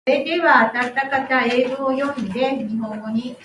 Styrian Spirit ended operations due to insolvency.